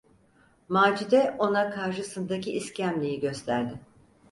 Macide ona karşısındaki iskemleyi gösterdi: